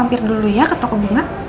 hampir dulu ya ke toko bunga